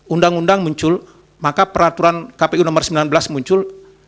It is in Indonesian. undang undang muncul maka peraturan kpu nomor sembilan belas muncul